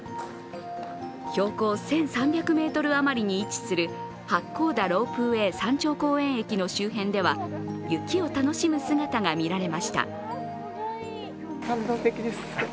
標高１３００ｍ余りに位置する八甲田ロープウェー山頂公園駅周辺では雪を楽しむ姿が見られました。